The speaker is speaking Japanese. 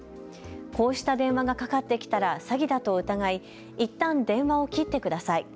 こうした電話がかかってきたら詐欺だと疑いいったん電話を切ってください。